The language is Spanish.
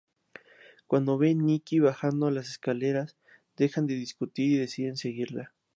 Cuando ven Nikki bajando las escaleras, dejan de discutir y deciden seguirla.